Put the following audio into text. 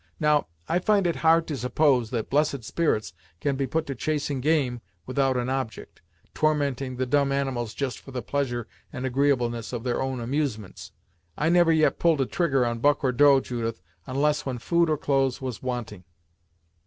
Now, I find it hard to suppose that blessed spirits can be put to chasing game without an object, tormenting the dumb animals just for the pleasure and agreeableness of their own amusements. I never yet pulled a trigger on buck or doe, Judith, unless when food or clothes was wanting."